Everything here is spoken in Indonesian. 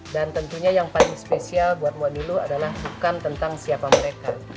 dan tentunya yang paling spesial buat mbak nilo adalah bukan tentang siapa mereka